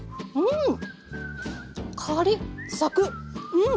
うん！